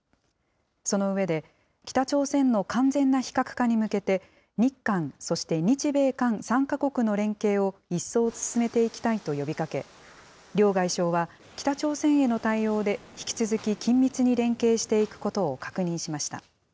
その上で、北朝鮮の完全な非核化に向けて、日韓そして日米韓３か国の連携を一層進めていきたいと呼びかけ、両外相は、北朝鮮への対応で引き続き緊密に連携していくことを確認しました。